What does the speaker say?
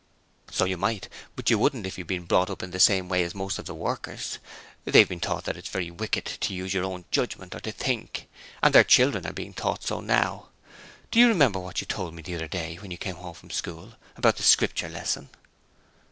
'So you might, but you wouldn't if you'd been brought up in the same way as most of the workers. They've been taught that it's very wicked to use their own judgement, or to think. And their children are being taught so now. Do you remember what you told me the other day, when you came home from school, about the Scripture lesson?'